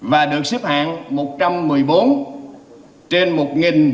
và được xếp hạng một trăm một mươi bốn trên một thành phố